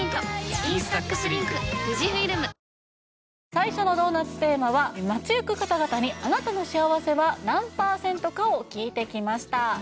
最初のドーナツテーマは街ゆく方々にあなたの幸せは何パーセントかを聞いてきました